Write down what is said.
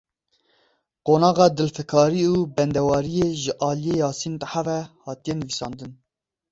Qonaxa dilfikarî û bendewariyê ji aliyê Yasîn Teha ve hatiye nivîsandin.